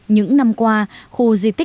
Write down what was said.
những năm qua khu di tích này đã được tạo ra